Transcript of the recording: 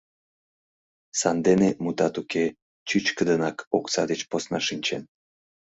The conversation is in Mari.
Сандене, мутат уке, чӱчкыдынак окса деч посна шинчен.